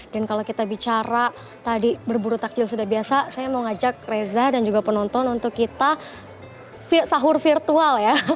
dan kalau kita bicara tadi berburu takjil sudah biasa saya mau ngajak reza dan juga penonton untuk kita sahur virtual ya